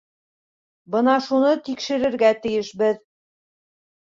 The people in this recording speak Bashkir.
Бына шуны тикшерергә тейешбеҙ.